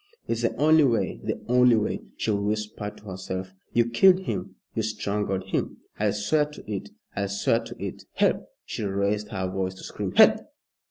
"It's the only way the only way," she whispered to herself. "You killed him, you strangled him. I swear to it I swear to it! Help!" she raised her voice to scream. "Help!"